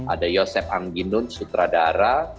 ada yosep angginun sutradara